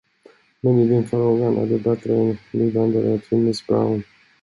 Men i den frågan är det bättre ni vänder er till miss Brown.